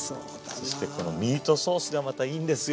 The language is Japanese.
そしてこのミートソースがまたいいんですよ。